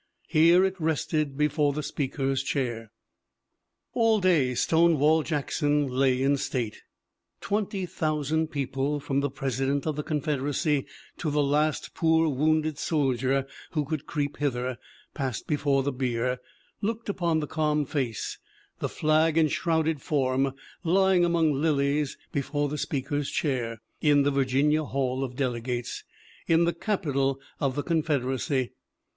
Here it rested before the Speaker's Chair. "All day Stonewall Jackson lay in state. Twenty thousand people, from the President of the Confed eracy to the last poor wounded soldier who could creep hither, passed before the bier, looked upon the calm face, the flag enshrouded form, lying among lilies before the Speaker's Chair, in the Virginia Hall of Delegates, in the Capitol of the Confederacy.